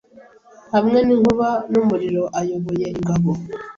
Hamwe ninkuba numuriro ayoboye ingabo